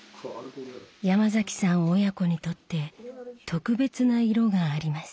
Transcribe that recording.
山崎さん親子にとって特別な色があります。